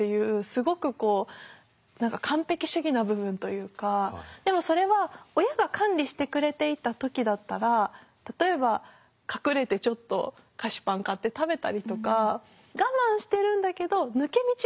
すごくこう何か完璧主義な部分というかでもそれは親が管理してくれていた時だったら例えば隠れてちょっと菓子パン買って食べたりとか我慢してるんだけど抜け道があったんですよね。